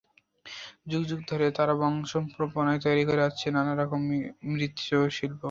যুগ যুগ ধরে তারা বংশপরম্পরায় তৈরি করে আসছে নানা রকম মৃিশল্প।